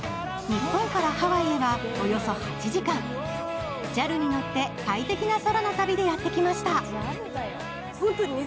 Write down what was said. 日本からハワイへはおよそ８時間ＪＡＬに乗って快適な空の旅でやってきました。